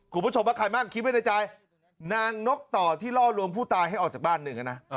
คุณผู้ชมว่าใครบ้างคิดไว้ในใจนางนกต่อที่ล่อลวงผู้ตายให้ออกจากบ้านหนึ่งนะ